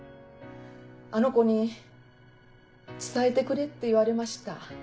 あの子に「伝えてくれ」って言われました。